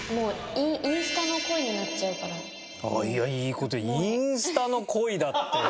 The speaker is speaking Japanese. いやいい事「インスタの恋」だってよ。